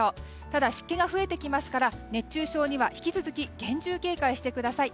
ただ、湿気が増えてきますから熱中症には引き続き厳重警戒してください。